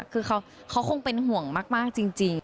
คือเขาคงเป็นห่วงมากจริง